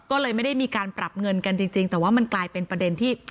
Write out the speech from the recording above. ก็เลยไม่ได้มีการปรับเงินกันจริงแต่ว่ามันกลายเป็นประเด็นที่